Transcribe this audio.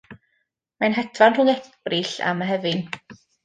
Mae'n hedfan rhwng Ebrill a Mehefin.